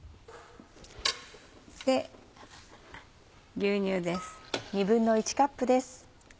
牛乳です。